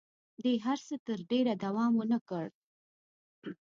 دې هر څه تر ډېره دوام ونه کړ.